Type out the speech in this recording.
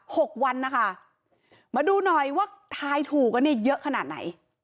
หกวันนะคะมาดูหน่อยว่าทายถูกกันเนี่ยเยอะขนาดไหน